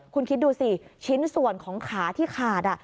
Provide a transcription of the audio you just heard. คุณคิดดูสิชิ้นส่วนของขาที่ขาด